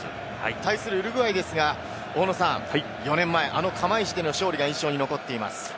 対するウルグアイ、大野さん、４年前、あの釜石での勝利が印象に残っています。